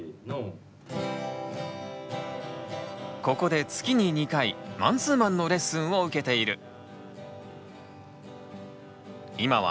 ここで月に２回マンツーマンのレッスンを受けている。